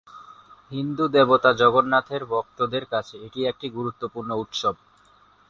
হিন্দু দেবতা জগন্নাথের ভক্তদের কাছে এটি একটি গুরুত্বপূর্ণ উৎসব।